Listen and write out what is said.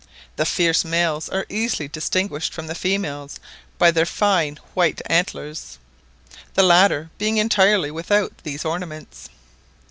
The fierce males are easily distinguished from the females by their fine white antlers, the latter being entirely without these ornaments.